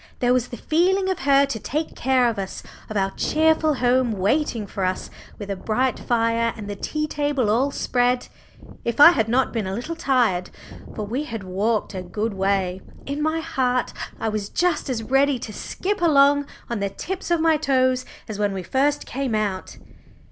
There was the feeling of her to take care of us, of our cheerful home waiting for us, with a bright fire and the tea table all spread. If I had not been a little tired for we had walked a good way in my heart I was just as ready to skip along on the tips of my toes as when we first came out.